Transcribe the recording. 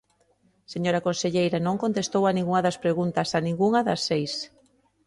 Señora conselleira, non contestou a ningunha das preguntas, a ningunha das seis.